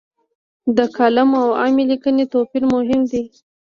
د کالم او عامې لیکنې توپیر مهم دی.